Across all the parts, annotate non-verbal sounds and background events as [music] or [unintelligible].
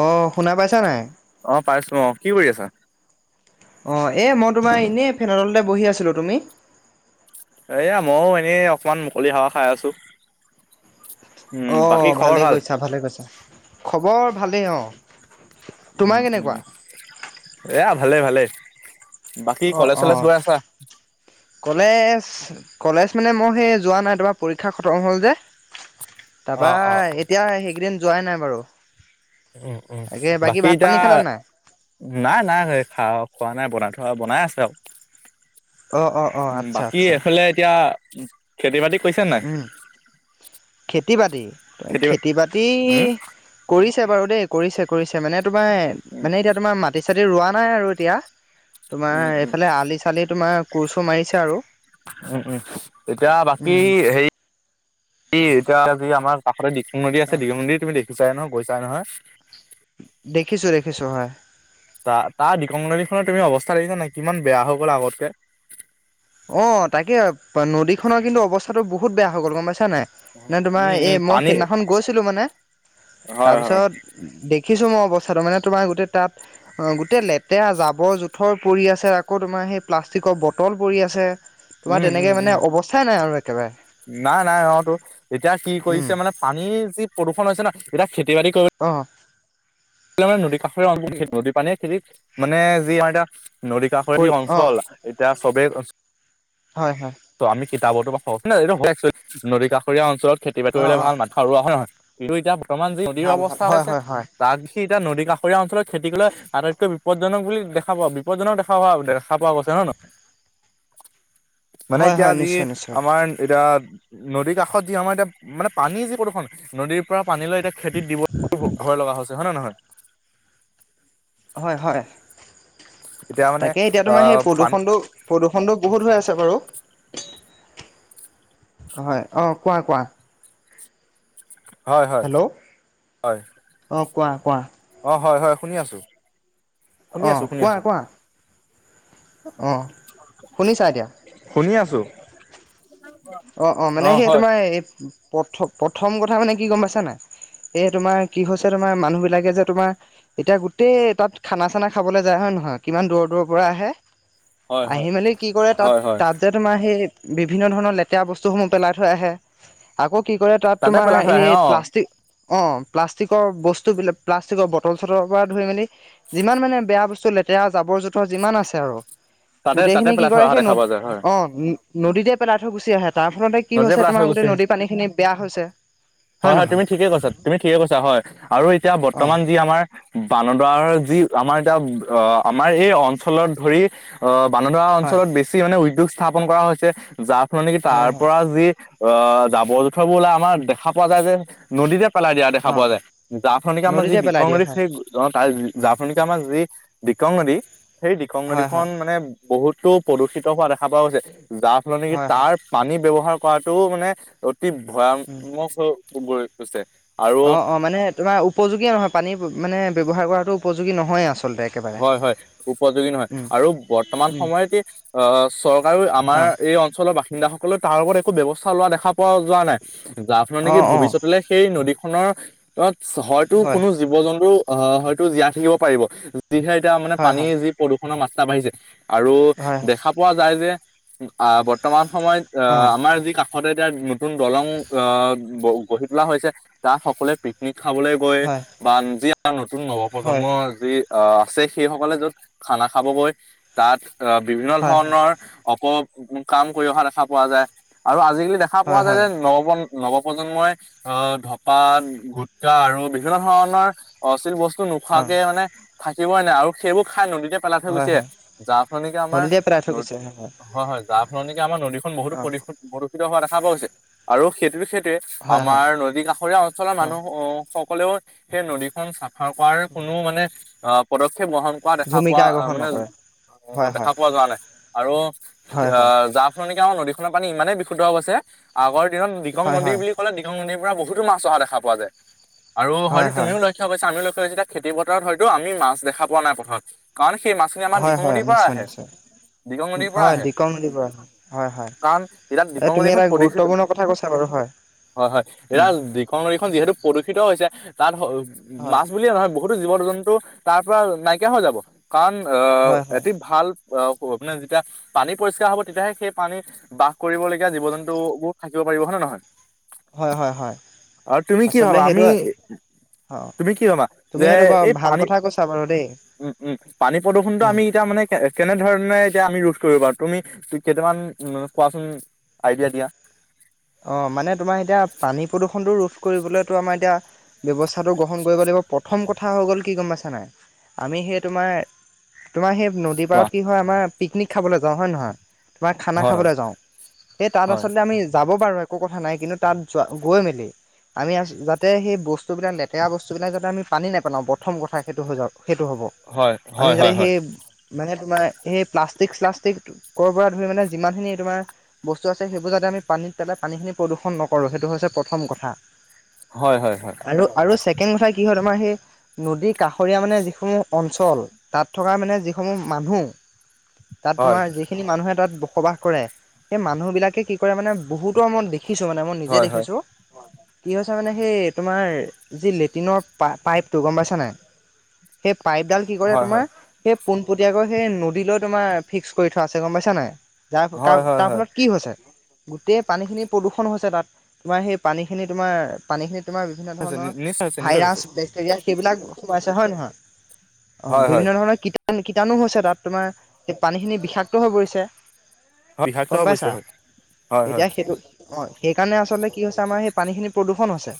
অ শুনা পাইছা নাই। অ পাইছো অ। কি কৰি আছা? অ এ মই তোমাৰ এনেই ফেনতলতে বহি আছিলো। তুমি? এয়া মইয়ো এনেই অকমান মুকলি হাৱা খাই আছো। উম অঁ বাকী খবৰ ভালেই ভাল? কৈছা ভালে কৈছা। খবৰ ভালেই অঁ। উম, উম এয়া ভালেই ভালেই। বাকী অ' কলেজ চলেজ অ'। গৈ আছা? কলেজ, কলেজ মানে মই সেই যোৱা নাই তোমাৰ পৰীক্ষা খতম হ'ল যে। তা অ পা অ অ এতিয়া সেইকেইদিন যোৱাই নাই বাৰু। উম, উম তাকে বাকী ভাত এতা পানী খালা নাই? নাই -নাই খাও। খোৱা নাই বনাই থোৱা বনাই আছে আও অ' অ' অ' উ। আচ্ছা বাকী আচ্ছা। এফালে এতিয়া খেতি বাতি কৰিছে নাই? উম, খেতি বাতি খেতি বাতি উম কৰি বাৰু দেই কৰিছে -কৰিছে মানে তোমাৰ উম মানে এতিয়া তোমাৰ মাটি চাটি ৰোৱা নাই আৰু এতিয়া। তোমাৰ উম উম এইফালে আলি চালি তোমাৰ কোৰ চুৰ মাৰিছে আৰু উম উম। ই এতিয়া যি আমাৰ কাষতে দিকং নদী অ। আছে দিকং নদীৰ তুমি দে কি চাৰে নহয় গৈছাই নহয় দেখিছো দেখিছো হয়। তা তা দিকং নদী খনৰ তুমি অৱস্থা দেখিছা নাই কিমান বেয়া হৈ গ'ল আগতকে। অ তাকে নদী খনৰ কিন্তু অৱস্থাটো বহুত বেয়া হৈ গ'ল গম পাইছ নাই নে তোমাৰ উম, এই উম, মই পানী সিদিনাখন গৈছিলো মানে হয়, হয়, তাৰপিছত দে খিছো মই অৱস্থাটো মানে তোমাৰ গোটেই তাত অ গোটেই লেতেৰা জাব বৰ জোথৰ পৰি আছে আকৌ তোমাৰ সেই প্লাষ্টিকৰ বটল পৰি আছে তোমাৰ উম, উম, তেনেকে মানে উম। অৱস্থাই নাই আৰু একেবাৰে নাই নাই অতো এতিয়া কি উম কৰিছে মানে পানীৰ যি প্ৰদূষণ হৈছে ন এতিয়া খেতি খেতিবাতি কৰি অ মানে নদী কাষৰেতি নদী পানীয়ে খেতিত মানে যি আম এতিয়া নদী কৰি কাষৰি অ অঞ্চল এতিয়া চবেই হয় হয় কেতিয়াবা টো নদী কাষৰীয়া অঞ্চলত খেতি বাতি অ কৰিবলে অ ভাল মাটিসাৰুৱা হয় নহয় কিন্তু এতিয়া বৰ্তমান যি নদীৰ ভাল ভাল অৱস্থা হৈ হয় আছে হয় হয় তাক হেই এতিয়া নদী কাষৰীয়া অঞ্চলত খেতি কলে আটাইতকৈ বিপদজনক বুলি দেখা পোৱা বিপদজনক দেখা হোৱা দেখা পোৱা গৈছে হয় নহয় মানে হয় এতিয়া হয় যি নিশ্চয় নিশ্চয় আমাৰ এতিয়া নদীৰ কাষত যি আমাৰ এতিয়া মানে পানী যি প্ৰদূষ্ষণ নদীৰ পৰা পানী লৈ এতিয়া খেতিত দিব ভয় লগা হৈছে হয় নহয়? হয় হয়। এতিয়া মানে তাকে এতিয়া তোমাৰ সেই আহ পানী প্ৰদূষণটো প্ৰদূ্ষণটো বহুত হৈ আছে বাৰু। হয় অ কোৱা কোৱা হয় হয় হেল্ল' হয়। অ' কোৱা কোৱা? অ হয় হয় শুনি আছো। শুনি আছো অঁ শুনি কোৱা আছো কোৱা? অঁ শুনিছা এতিয়া? শুনি আছো। অ অ মানে সেই তোমাৰ এই প্ৰথ প্ৰথম কথা মানে কি গম পাইছা নাই? এ তোমাৰ কি হৈছে তোমাৰ মানুহ বিলাকে যে তোমাৰ এতিয়া গোটেই তাত খানা চানা খাবলৈ যায় হয় নে নয় নহয়? কিমান দূৰ দূৰৰ পৰা আহে হয় হয় আহি মেলি কি কৰে তাত হয় হয় তাত যে তোমাৰ সেই বিভিন্ন ধৰণৰ লেত এতিয়া বস্তুসমূহ পেলাই থৈ আহে আকৌ কি কৰে তাত তাতে তোমাৰ পেলাই থৈ এই আহে অ প্লাষ্টিক অ প্লাষ্টিকৰ বস্তু বিলাক প্লাষ্টিকৰ বটল চটলৰ পৰা ধৰি মেলি যিমান মানে বেয়া বস্তু লেতেৰা জাবৰ জোথৰ যিমান আছে আৰু তাতে তাতে গোটেইখিনি কি পেলাই থৈ কৰে অহা সেই ন দেখা পোৱা যায় হয় অ নদীতে পেলাই থৈ গুচি আহে তাৰ ফলতে কি নদীয়ে হৈছে পেলাই থৈ তোমাৰ গুচি আহে গোটেই নদীৰ পানীখিনি বেয়া হৈছে, হয় হয় তুমি ঠিকে কৈছা তুমি ঠিকে কৈছা হয় আৰু এতিয়া অ', বৰ্তমান যি আমাৰ বানদাৰ যি আমাৰ এতিয়া আমাৰ এই অঞ্চলত ধৰি অহ বানদৰা হয়, অঞ্চলত বেছি মানে উদ্যোগ স্থাপন কৰা হৈছে। যাৰ ফলত নেকি তাৰ হয়, হয়, অ জাবৰ জোথৰ বোৰ ললে আমাৰ দেখা পোৱা যায় যে নদীতে পেলাই দিয়া দেখা অ', পোৱা যায়। যাৰ ফলনিকে আমাৰ যি নদীতে পেলাই দিয়ে বিসংগতি হয়, সেই ত জাৰ ফলনিকি আমাৰ যি দিকং নদী সেই দিকং হয়, নদীখন হয়, মানে বহুতো প্ৰদূষিত হোৱা দেখা পোৱা গৈছে। যাৰ ফলত নেকি হয়, হয়, তাৰ পানী ব্যৱহাৰ কৰাটোও মানে অতি উম, ভয়ানক হৈ [unintelligible] অ অ মানে তোমাৰ উপযোগীয়ে নহয় পানী মানে ব্যৱহাৰ কৰাতো উপযোগী নহয়ে আছে হয় হয় উপযোগী নহয় আৰু বৰ্তমান উম, সময়তে অ চৰকাৰো আমাৰ অ', এই অঞ্চলৰ বাসিন্দাসকলে তাৰ লগত একো ব্যৱস্থা লোৱা দেখা পোৱা যোৱা নাই। যাৰ ফলত নেকি অ', অ', ভৱিষ্যতলৈ সেই নদীখনৰ হয়তো হয়, কোনো জীৱ জন্তু অহ হয়তো জীয়াই থাকিব পাৰিব, যিহে এতিয়া মানে হয়, পানী হয়। যি প্ৰদূষণৰ মাত্ৰা বাঢ়িছে আৰু হয় হয় দেখা পোৱা যায় যে অ বৰ্তমান সময়ত অ আমাৰ যি কাষ তে এতিয়া নতুন দলং আহ গঢ়ি তোলা হৈছে, তাত সকলোৱে পিকনিক খাবলৈ গৈ হয় বা যি আমাৰ নতুন হয় নৱপ্ৰজন্মৰ যি অঃ আছে সেইসকলে য'ত খানা খাবগৈ তাত বিভিন্ন হয় ধৰণৰ অপ উ কাম কৰি অহা দেখা পোৱা যায়। আৰু আজিকালি দেখা পোৱা হয় হয় যায় হয় যে নপন নৱ প্ৰজন্মই আহ ধপাত, গুটকা আৰু বিভিন্ন ধৰণৰ অচিল বস্তু তঝ অ' নোখোৱাকে মানে থাকিবই নাই আৰু সেইবোৰ খাই নদীত পেলাই থৈ হয় গোছিআহে হয় যাৰ ফলৰ নেকি আমাৰ হলিডে পেলাই থৈ গুচি আহে হয় হয় যাৰ ফল নেকি আমাৰ নদীখন বহুতো অ' প্ৰ প্ৰদূষিত হোৱা দেখা পোৱা গৈছে আৰু সেইটো সেইটোৱে হয় হয় আমাৰ নদী কাষৰীয়া অঞ্চলৰ অ' মানুহ আহ সকলেও সেই নদীখনন চাফ কৰাৰ কোনো মানে আহ পদক্ষেপ গ্ৰহণ কৰা দেখা পোৱা ভূমিকা গ্ৰহণ মানে নকৰে হয় হয় দেখা পোৱা যোৱা নাই আৰু হয় হয় আহ যাৰ ফালে নেকি আমাৰ নদী পানী ইমানেই বিশুদ্ধ হৈ আছে আগৰ দিনত দিক‌ং হয় নদী হয় বুলি ক'লে দিকং নদী বহুতো মাছ অহা দেখা পোৱা যায় আৰু হয় হয়তো হয় তুমিও লক্ষ কৰিছা আমিও লক্ষ কৰিছো যে খেতি বথৰত হয়তো টো আমি মাছ দেখা পোৱা নাই পথাৰত। কাৰণ সেই মাছখিনি আমাৰ হয় দিগং হয় নদীৰ পৰা নিশ্চয় আহে নিশ্চয় দিগং নদীৰ পৰা হয় দিকং আহে নদী পৰা। হয় হয় কাৰণ এতিয়া এই দিখং তুমি নদীখন এটা প্ৰদূষিত গুৰুত্বপূৰ্ণ কথা কৈছা বাৰু। হয়। হয় হয় এৰা উম দিখৌ নৈখন যিহেতু প্ৰদূষিত হৈছে তাত হয় মাছ বুলিয়ে নহয় বহুতো জীৱ -জন্তু তাৰ পৰা নাইকিয়া হৈ যাব। কাৰণ অঁ হয় হয় এটি ভাল অঁ মানে যেতিয়া পানী পৰিষ্কাৰ হ'ব তেতিয়াহে সেই পানীত বাস কৰিবলগীয়া জীৱ -জন্তু বোৰ থাকিব। কৰিব হয় নে নহয় হয় হয় হয় আৰু তুমি কি আচলতে ভাবা সেইটো আমি অ' তুমি কি ভাবা তুমি যে সেইটো বাৰু এই ভাল পানী কথা কৈছা বাৰু দেই উম! উম! পানী প্ৰদূষণ উম আমি এতিয়া মানে কেনে ধৰনে আমি ৰোধ কৰিব পাৰো তুমি কেইটামান কোৱাচোন আইডিয়া দিয়া? অঁ মানে তোমাৰ এতিয়া পানী প্ৰদূষণটো ৰোধ কৰিবলৈতো আমাৰ এতিয়া ব্যৱস্থাটো গ্ৰহণ কৰিব লাগিব প্ৰথম কথা হৈ গ'ল কি গম পাইছা নাই আমি সেই তোমাৰ তোমাৰ সেই নদী কোৱা পাৰত কি হয় আমাৰ পিকনিক খাবলৈ যাওঁ হয় নহয় তোমাৰ খানা হয় খাবলৈ যাওঁ সেই তাত হয় আচলতে আমি পাব বাৰু একো কথা নাই কিন্তু তাত যোৱা গৈ মেলি আমি যাতে সেই বস্তুবিলাক লেতেৰা বস্তুবিলাক যাতে আমি পানী নেপেলাওঁ প্ৰথম কথা সেইটো হৈ যাওক। সেইটো হ'ব হয় আমি হয় যা হয় হয় সেই মানে তোমাৰ সেই প্লাষ্টিক -শ্লাষ্টিকৰ পৰা ধৰি মানে যিমানখিনি তোমাৰ বস্তু আছে সেইবোৰ যাতে আমি পানীত পেলাই পানীখিনি প্ৰদূষণ নকৰোঁ সেইটো হৈছে প্ৰথম কথা, হয় হয় হয় আৰু। ছেকেণ্ড কথা কি হয় তোমাৰ সেই নদীৰ কাষৰীয়া মানে যিসমূহ অঞ্চল তাত থকা মানে যিসমূহ মা মানুহ তাত তোমাৰ হয় যিখিনি মানুহে তাত বসবাস কৰে, সেই মানুহ বিলাকে কি কৰে মানে বহুতো মত দেখিছোঁ মানে মই নিজে হয় দেখিছোঁ কি হৈছে মানে সেই তোমাৰ যি লেট্ৰিনৰ পা পাইপটো গম পাইছে নাই সেই পাইপডাল কি কৰে হয় হয় হয় তোমাৰ সেই পোনপটীয়াকৈ সেই নদীলৈ তোমাৰ ফিক্স কৰি থোৱা আছে গম পাইছা নাই যাৰ হয় হয় তাৰ হয় ফলত কি হৈছে গোটেই পানীখিনি প্ৰদূষণ হৈছে তাত তোমাৰ সেই পানীখিনি তোমাৰ পানীখিনি তোমাৰ বিভিন্ন হৈছে ধৰণৰ নিশ্চয় হৈছে নিশ্চয় হৈছে ভাইৰাছ, বেক্টেৰিয়া সেইবিলাক সোমাইছে হয় নহয় অ হয় হয় বিভিন্ন ধৰণৰ কিতাপ কীৰটানণো হৈছে তাত তোমাৰ পানীখিনি বিষাক্ত হৈ পৰিছে। বিষাক্ত হৈ পৰিছে হয় হয় হয় তেতিয়া সেইটো অঁ সেইকাৰণে আচলতে কি হৈছে আমাৰ সেই পানীখিনি প্ৰদূষণ হৈছে,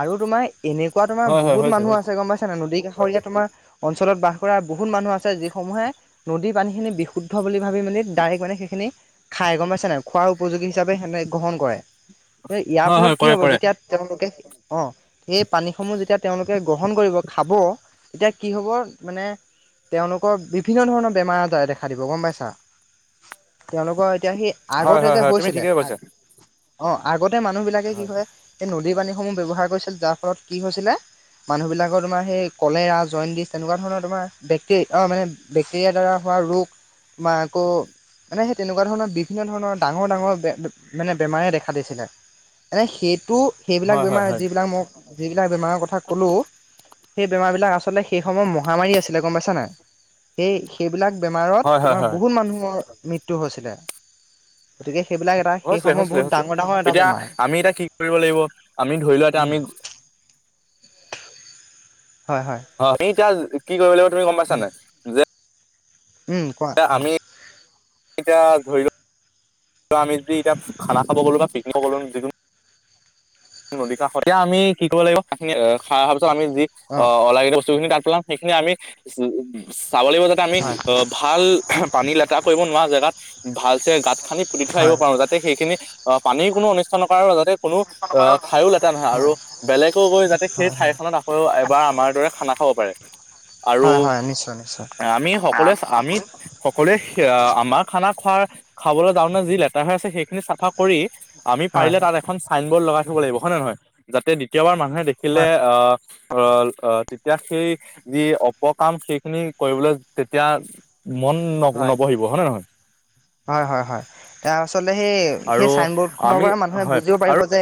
আৰু তোমাৰ এনেকুৱা তোমাৰ হয় হয় বহুত হৈছে মানুহ হৈছে আছে গম পাইছা নদী কাষ ৰীয়া তোমাৰ অঞ্চলত বাস কৰা বহুত মানুহ আছে যিসমূহে নদীৰ পানী খিনি বিশুদ্ধ বুলি ভাবি মানে ডাৰেক মানে সেইখিনি খাই গম পাইছা নাই খোৱাৰ উপযোগী হিচাপে সেনে গ্ৰহণ কৰে, ইয়াৰ হয় ফলত হয় কি কৰে হ'ব কৰে যেতিয়া তেওঁলোকে অ সেই পানীসমূহ যেতিয়া তেওঁলোকে গ্ৰহণ কৰিব খাব তেতিয়া কি হ'ব মানে তেওঁলোকৰ বিভিন্ন ধৰণৰ বেমাৰ -আজাৰে দেখা দিব গম পাইছা তেওঁলোকৰ এতিয়া সি হয় আগতে হয় যে হয় তুমি হৈছিলে ঠিকে কৈছা অ আগতে মানুহ বিলাকে কি হয় এই নদীত নদী পানীসমূহ ব্যৱহাৰ কৰিছিল যাৰ ফলত কি হৈছিলে মানুহবিলাকৰ তোমাৰ সেই কলেৰা, জণ্ডিছ, তেনেকোৱা ধৰণৰ তোমাৰ বেক্টে অ মানে বেক্টেৰিয়াৰ দ্বাৰা হয় বা ৰোগ ম আকৌ মানে সেই তেনেকোৱা ধৰণৰ বিভিন্ন ধৰণৰ ডাঙৰ ডাঙৰে মানে বেমাৰে দেখা দিছিলে, এনেই সেইটো সেইবিলাক হয় হয় বেমাৰ হয় যিবিলাক মই যিবিলাক বেমাৰৰ কথা ক'লো। সেই বেমাৰ বিলাক আচলতে সেই সময়ত মহামাৰী আছিলে গম পাইছা নাই সেই সেই বিলাক বেমাৰত হয় হয় তোমাৰ হয় বহুত মানুহৰ মৃত্যু হৈছিলে, গতিকে সেইবিলাক এটা সেই হৈছিলে, সময়ত হৈছিলে, বহুত হৈছিলে, ডাঙৰ ডাঙৰ এটা এতিয়া বেমাৰ আমি এতিয়া কি কৰিব লাগিব আমি ধৰি লোৱা এতিয়া উম। আমি [inaudible] হয় হয় অ তুমি এতিয়া কি কৰিব লাগিব তুমি গম পাইছা উম নাই যে উম! কোৱা আমি এতিয়া ধৰি লও ত আমি যদি এতিয়া খানা খাব গ'লো বা পিকনিক গলো যিকোনো নদী কাষত এতিয়া আমি কি কৰিব লাগিব খানা খাই অহা পিছত আমি যি অ অলাগতিয়াল বস্তুখিনি তাত সেইখিনি আমি চাব লাগিব যাতে আমি হয় ভাল পানী লেতেৰা কৰিব নোৱাৰা জেগাত ভাল চে গাত খানি পুতি থৈ আহিব হয় পাৰো যাতে সেইখিনি অ পানীৰ কোনো অনিষ্ট নকৰে আৰু যাতে কোনো আ হয় ঠায়ো লেতেৰা নহয় হয় আৰু বেলেগও গৈ যাতে সেই হয় ঠাইখনত আকৌ এবাৰ আমাৰ দৰে খানা খাব পাৰে আৰু হয় হয় নিশ্চয় নিশ্চয় আমি হয় সকলোৱে হয় হয় আমি সকলোৱে আমাৰ খানা খা খাবলৈ যা যি লেতেৰা হৈ আছে সেইখিনি চাফা কৰি আমি পাৰিলে তাত এখন চাইনবৰ্ড লগাই থব লাগিব হয় নে নহয় যাতে দ্বিতীয়বাৰ মানুহে দেখিলে আ আ তেতিয়া সেই যি অপকাম সেইখিনি কৰিবলৈ তেতিয়া মন হয় নবঢ়িব হয়নে নহয় হয় হয় হয় তাৰ আচলতে সেই সেই আৰু চাইনবৰ্ড খনৰ আমি পৰা মানুহে হয় বুজিব পাৰিব আৰু যে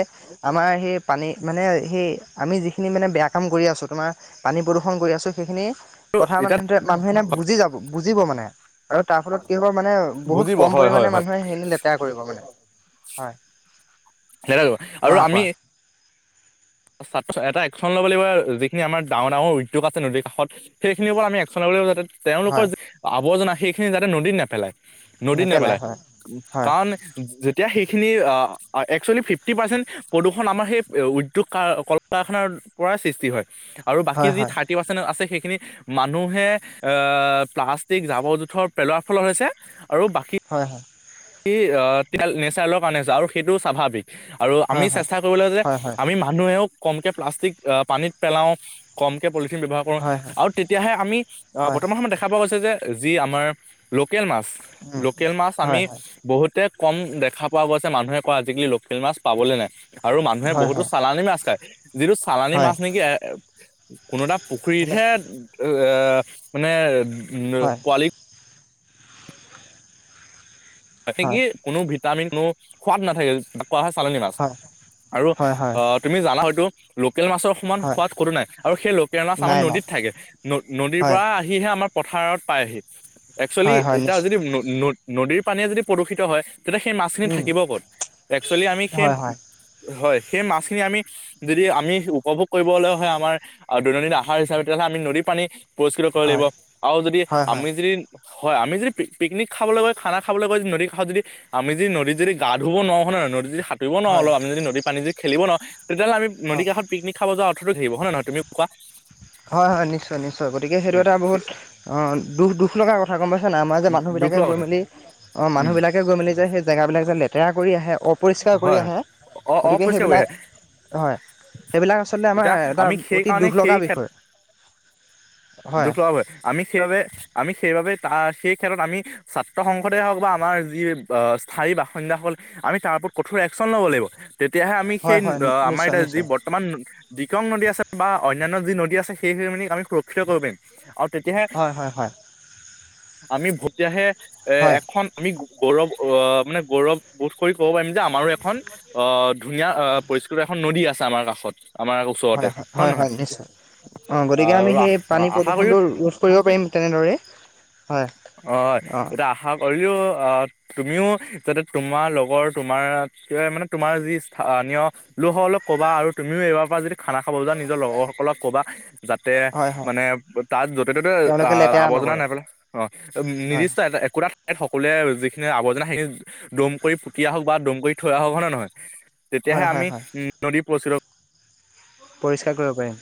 আমাৰ সেই পানী মানে সেই আমি যিখিনি মানে বেয়া কাম কৰি আছোঁ তোমাৰ পানী প্ৰদূষণ কৰি আছোঁ সেইখিনি কথা এতিয়া মানুহ মানুহে এনে বুজি যাব বুজিব মানে আৰু তাৰ ফলত কি হ'ব মানে বহুত বুজিব কম হয় হয় পৰিমাণে হয় মানুহে সেইখিনি লেতেৰা কৰিব মানে হয় কোৱা আৰু কোৱা আমি এটা একশন ল'ব লাগিব যিখিনি আমাৰ এটা এটা একশন ল'ব লাগিব যিখিনি আমাৰ ডাঙৰ ডাঙৰ উদ্যোগ আছে নদীৰ কাষত সেইখিনিৰ ওপৰত আমি একশন ল'ব লাগিব যাতে তেওঁলোকৰ হয় আৱৰ্জনা সেইখিনি যাতে নদীত নেপেলায় নদীত নেপেলাই হয় কাৰণ যে তিয়া সেইখিনি একচুৱেলি ফিফটি পাৰ্চেণ্ট প্ৰদূষণ আমাৰ সেই উ দ্যোগ কল কাৰখাৰ পৰাই সৃষ্টি হয় আৰু বাকী হয় যি হয় থাৰ্টি পাৰ্চেণ্ট আছে সেই খিনি মানুহে আ প্লাষ্টিক জাবৰ জোথৰ পেলোৱাৰ ফলত হৈছে আৰু বাকী হয় আ নেচাৰেলৰ কাৰণে হৈছে আৰু সেইটো স্বাভাৱিক আৰু আমি হয় হয় চেষ্টা কৰিব লাগে যে হয় হয় আমি মানুহেও কম কে প্লাষ্টিক পানীত পেলাও কমকে পলিথিন ব্যাৱহাৰ কৰোঁ হয় হয় হয় আৰু তেতিয়া হে আমি হয় বৰ্তমান সময়ত দেখা পোৱা গৈছে যে যি আমাৰ লোকেল মাছ উম লোকেল মাছ আমি হয় হয় বহুতে কম দেখা পোৱা গৈছে মানুহে কয় আজিকালি লোকেল মাছ পাবলৈ নাই আৰু মানুহে হয় বহুতো চালানি মাছ খায় যিটো চালানী হয় হয় মাছ নেকি কোনো এটা মানে পুখুৰীতহে এ মানে হয় পোৱালি কোনো ভিটামিন কোনো সোৱাদ নাথাকে কোৱা হয় চালানী মাছ হয় আৰু হয় হয় হয় আ তুমি জানা হয় হয়তো লো কেল মাছৰ সমান হয় সোৱাদ কতো নাই আৰু সেই লোকেল মাছ আমাৰ নাই নাই নদীত থাকে নদীৰ হয় পৰা আহিহে আমাৰ পথাৰত পাইহি একচুৱেলি হয় হয় এতিয়া নিশ্চয় যদি ন নদীৰ পানীয়ে যদি প্ৰদূষিত হয়। তেতিয়া সেই মাছখিনি উম থাকিব ক'ত একচুৱেলি আমি সেই হয় হয় হয়। সেই মাছখিনি আমি যদি আমি উপভোগ কৰিবলৈ হয় আমাৰ দৈনন্দিন আহাৰ হিচাপে তেতিয়াহ'লে আমি নদীত পানী পৰিস্কৃত কৰিব লাগিব হয় আৰু যদি হয় হয় আমি যদি হয় আমি যদি পিকনিক খাবলৈ গৈ খানা খাবলৈ গৈ নদীৰ কাষত যদি আমি যদি নদীত গাঁ ধুব নোৱাৰোঁ নদীত যদি সাতুৰিব নোৱাৰোঁ হয় অলপ আমি যদি পানী যদি খেলিব নোৱাৰোঁ তেতিয়াহ'লে আমি নদী হয় কাষত পিকনিক খাব যোৱা অৰ্থতো কি থাকিব হয় নে নহয় তুমি কোৱা হয় হয় নিশ্চয় নিশ্চয় গতিকে সেইটো উম, এটা বহুত অ দুখ দুখ লগা কথা গম পাইছা। নাই আমাৰ যে দু- দুখ মানুহবিলাকে লগা গৈ কথা মেলি উম মানুহবিলাকে গৈ মেলি যে সেই জেগাবিলাক যে লেতেৰা কৰি আহে। অপৰিষ্কাৰ কৰি হয় হয় আহে অ গতিকে অপৰিষ্কাৰ কৰি সেইবিলাক আহে হয়। সেইবিলাক আচলতে আমাৰ এতিয়া এটা আমি অতি সেইকাৰণে দুখ সেই লগা খেল বিষয়। হয় দুখ লগাবৈ আমি সেইবাবে আমি সেইবাবে তাৰ সেই ক্ষেত্ৰত আমি ছাত্ৰ সংসদে হওঁক বা আমাৰ যি স্থায়ী বাসিন্দা সকল আমি তাৰ কঠোৰ একশচন ল'ব লাগিব তেতিয়াহে আমি হয় সেই হয় আমাৰ নিশ্চয় এতিয়া যি নিশ্চয় বৰ্তমান দিকং নদী আছে বা অনান্য যি নদী আছে সেই মান আমি সুৰক্ষিত কৰিব পাৰিম। আৰু তেতিয়াহে হয় হয় হয় আমি ভ তেতিয়াহে এ হয় এখন আমি গৌৰৱ অ মানে গৌৰৱ বোধ কৰি ক'ব পাৰিম যে আমাৰো এখন অ ধুনীয়া পৰিস্কৃত এখন নদী আছে আমাৰ কাষত। আমাৰ আকৌ ওচৰতে হয় হয়ে হয় নহয়? হয় নিশ্চয় অ গতিকে আহ, আমি আৰু সেই পানী আশা কৰিও প্ৰদূ্ষণটো ৰোধ কৰিব পাৰিম তেনেদৰে? হয় অ এতিয়া আশা কৰিলো অ তুমিও যাতে তোমাৰ লগৰ তোমাৰ মানে তোমাৰ যি স্থানীয় লোকসকলক কবা আৰু তুমিও এইবাৰ পৰা যদি খানা খাব যা নিজৰ লগৰ সকলক কবা, যাতে হয় হয় মানে তাত যতে ত'তে তেওঁলোকে আহ লেতেৰা আৱৰ্জনা নকৰে নেপেলা অ হয় নিৰ্দিষ্ট এ একোৰা সকলোৱে যিখিনি আৱৰ্জনা সেইখিনি দম কৰি পুতিআহক বা দম কৰি থৈ আহক হয় নে নহয়? হয় তেতিয়াহে হয় আমি হয় উ নদী প্ৰচুৰ পৰিষ্কাৰ কৰিব পাৰিম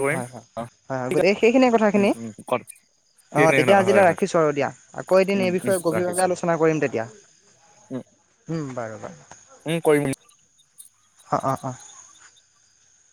কৰিম হয় হয় অ, হয় হয় গোটেই সেইখিনিয়ে উম কথাখিনি উম ক অ সেইখিনি তেতিয়া হয় আজিলৈ হয় ৰাখিছো আৰু দিয়া আকৌ এদিন উম এই উম বিষয়ে গভীৰভাৱে ৰাখিছো আলোচনা কৰিম তেতিয়া। উম উম বাৰু। উম কৰিম। আহ অ